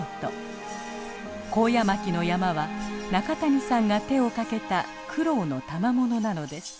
コウヤマキの山は中谷さんが手をかけた苦労のたまものなのです。